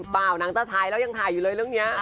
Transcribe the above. เปล่านางตะชายแล้วยังถ่ายอยู่เลยเรื่องนี้